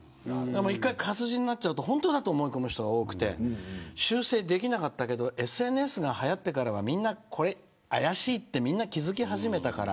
一回活字になっちゃうと本当だと思い込む人が多くて修正できなかったけどＳＮＳがはやってからはみんな、これ怪しいってみんな気付きはじめたから。